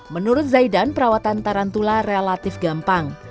menurut zaidan perawatan tarantula relatif gampang